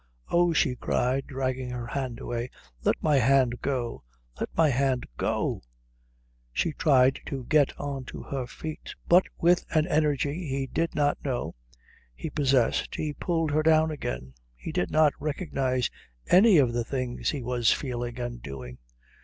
"Oh," she cried, dragging her hand away, "let my hand go let my hand go!" She tried to get on to her feet, but with an energy he did not know he possessed he pulled her down again. He did not recognize any of the things he was feeling and doing.